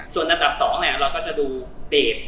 ส่วนอันดับ๒เราก็จะดูเดท